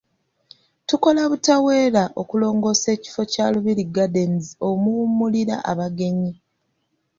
Tukola butaweera okwongera okulongoosa ekifo kya Lubiri Gardens omuwummulira abagenyi.